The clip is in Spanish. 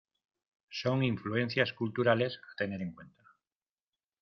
Son influencias culturales a tener en cuenta.